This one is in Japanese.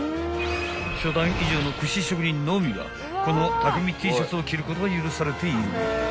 初段以上の串職人のみがこの匠Ｔシャツを着ることが許されている］